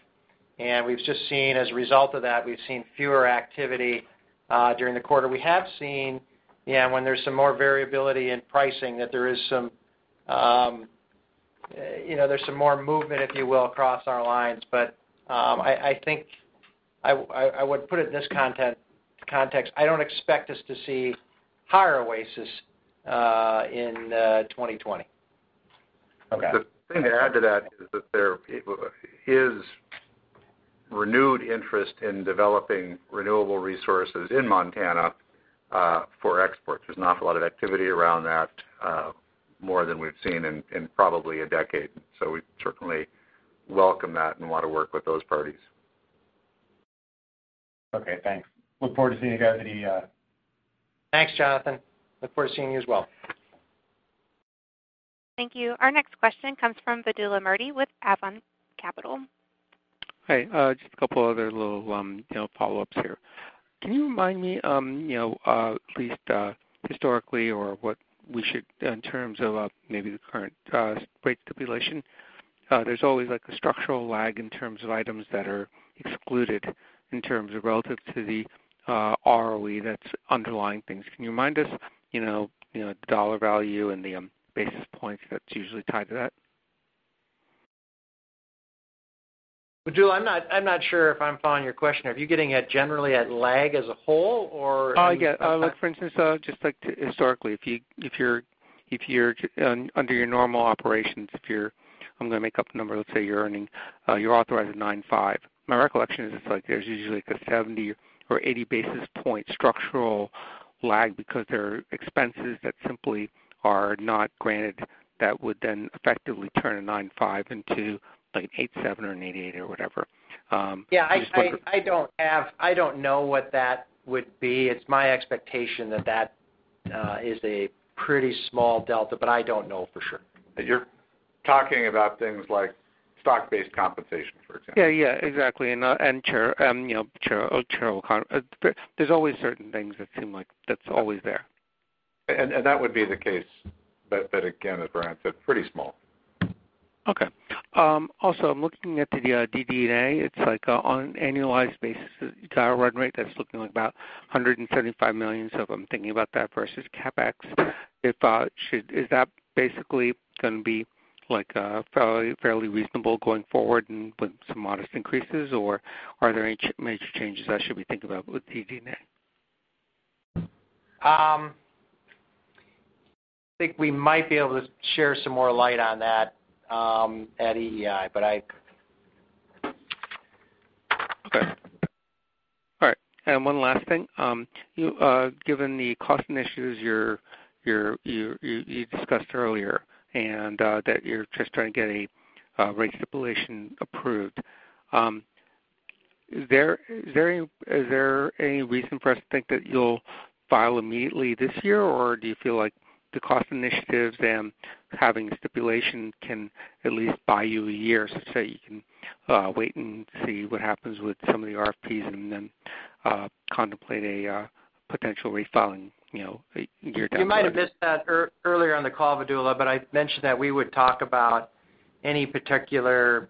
and we've just seen, as a result of that, we've seen fewer activity during the quarter. We have seen when there's some more variability in pricing that there's some more movement, if you will, across our lines. I think I would put it in this context. I don't expect us to see higher OASIS in 2020. Okay. The thing to add to that is renewed interest in developing renewable resources in Montana, for exports. There's an awful lot of activity around that, more than we've seen in probably a decade. We certainly welcome that and want to work with those parties. Okay, thanks. Look forward to seeing you guys at EEI. Thanks, Jonathan. Look forward to seeing you as well. Thank you. Our next question comes from Vidula Mirdha with Avon Capital. Hi. Just a couple other little follow-ups here. Can you remind me, at least historically or what we should in terms of maybe the current rate stipulation, there's always like a structural lag in terms of items that are excluded in terms of relative to the ROE that's underlying things. Can you remind us the dollar value and the basis points that's usually tied to that? Vidula, I'm not sure if I'm following your question. Are you getting at generally at lag as a whole? Yeah. Like for instance, just like historically, if you're under your normal operations, I'm going to make up a number. Let's say you're authorized at 9.5%. My recollection is it's like there's usually like a 70 or 80 basis point structural lag because there are expenses that simply are not granted that would then effectively turn a 9.5% into like an 8.7% or an 8.8% or whatever. I don't know what that would be. It's my expectation that that is a pretty small delta, but I don't know for sure. You're talking about things like stock-based compensation, for example. Yeah, exactly. There's always certain things that seem like that's always there. That would be the case, but again, as Brian said, pretty small. Okay. Also, I'm looking at the DD&A. It's like on an annualized basis, your guide run rate, that's looking like about $175 million. If I'm thinking about that versus CapEx, is that basically going to be fairly reasonable going forward and with some modest increases, or are there any major changes I should be thinking about with DD&A? I think we might be able to share some more light on that at EEI. Okay. All right. One last thing. Given the cost initiatives you discussed earlier, and that you're just trying to get a rate stipulation approved, is there any reason for us to think that you'll file immediately this year, or do you feel like the cost initiatives and having a stipulation can at least buy you a year, so to say, you can wait and see what happens with some of the RFPs and then contemplate a potential refiling a year down the line? You might have missed that earlier on the call, Vidula, but I mentioned that we would talk about any particular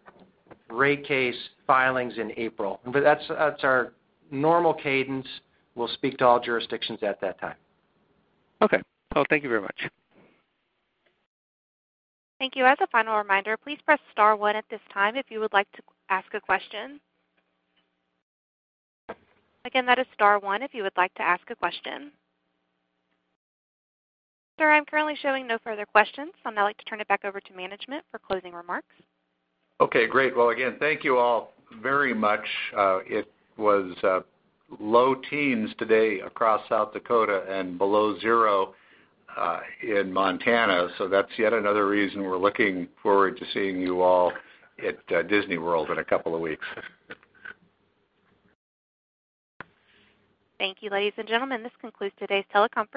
rate case filings in April. That's our normal cadence. We'll speak to all jurisdictions at that time. Okay. Well, thank you very much. Thank you. As a final reminder, please press star one at this time if you would like to ask a question. Again, that is star one if you would like to ask a question. Sir, I'm currently showing no further questions. I'd now like to turn it back over to management for closing remarks. Okay, great. Well, again, thank you all very much. It was low teens today across South Dakota and below zero in Montana. That's yet another reason we're looking forward to seeing you all at Disney World in a couple of weeks. Thank you, ladies and gentlemen. This concludes today's teleconference.